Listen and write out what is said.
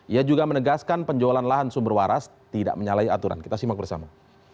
ia juga menegaskan penjualan lahan sumber waras tidak menyalahi aturan kita simak bersama